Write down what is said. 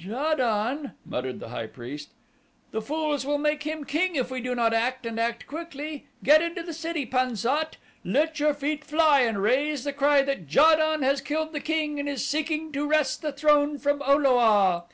"Ja don," muttered the high priest. "The fools will make him king if we do not act and act quickly. Get into the city, Pan sat let your feet fly and raise the cry that Ja don has killed the king and is seeking to wrest the throne from O lo a.